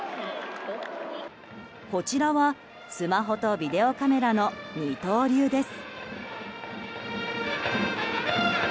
こちらはスマホとビデオカメラの二刀流です。